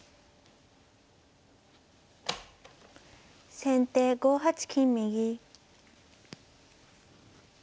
先手５八金右。